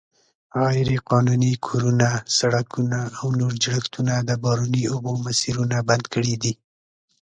غیرقانوني کورونه، سړکونه او نور جوړښتونه د باراني اوبو مسیرونه بند کړي دي.